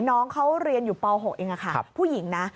น้องเขาเรียนอยู่ป๖เองค่ะผู้หญิงนะ